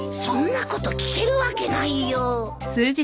そんなこと聞けるわけないよ。